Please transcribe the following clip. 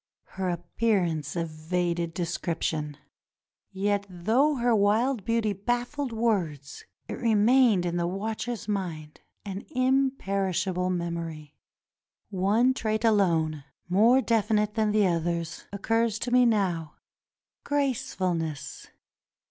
Her appearance evaded description. Yet, though her wild beauty baffled words, it remained in the watcher's mind — an imperishable memory. One trait alone, more definite than the others, occurs to me now — gracefulness.